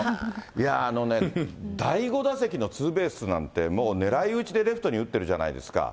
いやあ、あのね、第５打席のツーベースなんて、もう狙い打ちでレフトに打っているじゃないですか。